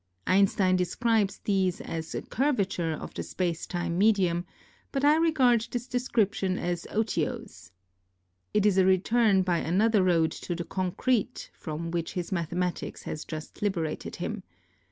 Einstein describes these as a curvature of the space time medium, but I regard this description as otiose. It is a return by another road to the concrete, from which his mathematics has just Hberated him.